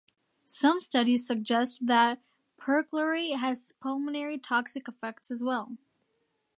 Some studies suggest that perchlorate has pulmonary toxic effects as well.